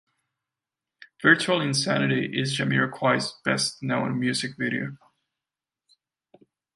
"Virtual Insanity" is Jamiroquai's best known music video.